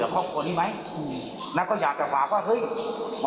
ครับ